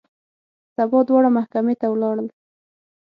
سبا دواړه محکمې ته ولاړل.